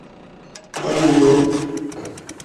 Ә минең...